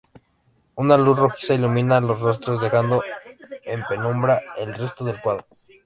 Una luz rojiza ilumina los rostros, dejando en penumbra el resto del cuadro.